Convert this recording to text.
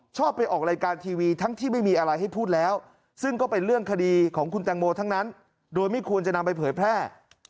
ชอบไปออกรายการทีวีทั้งที่ไม่มีอะไรให้พูดแล้วซึ่งก็เป็นเรื่องคดีของคุณแตงโมทั้งนั้นโดยไม่ควรจะนำไปเผยแพร่